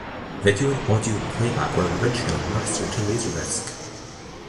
Video and audio playback were originally mastered to laserdisc.